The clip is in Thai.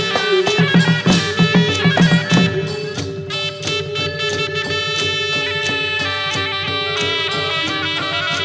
วันนี้ขอบพระคุณอาจารย์อีกทีนะครับ